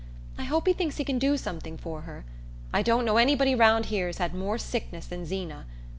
I hope he thinks he can do something for her. I don't know anybody round here's had more sickness than Zeena.